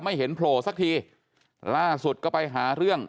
ไม่เห็นโผล่สักทีล่าสุดก็ไปหาเรื่อง